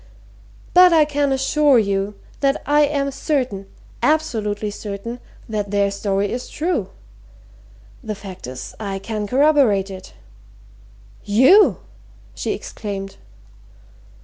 "But I can assure you that I am certain absolutely certain! that their story is true. The fact is I can corroborate it." "You!" she exclaimed.